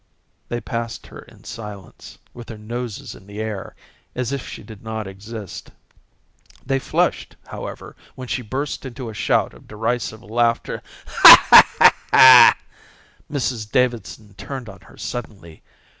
They passed her in silence, with their noses in the air, as if she did not exist. They flushed, however, when she burst into a shout of derisive laughter. Mrs Davidson turned on her suddenly.